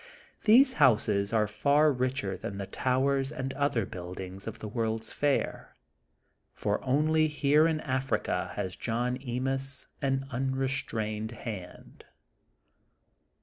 These houses are far richer than the towers and other buildings of the World's Fair, for only here in Africa has John Emis an unrestrained hand.